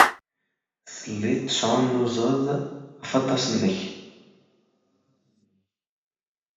Telliḍ tesɛunnuẓeḍ afatas-nnek.